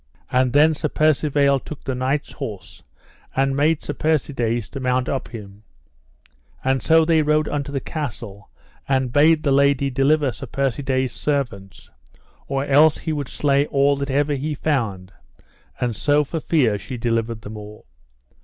And then Sir Percivale took the knight's horse and made Sir Persides to mount up him; and so they rode unto the castle, and bade the lady deliver Sir Persides' servants, or else he would slay all that ever he found; and so for fear she delivered them all.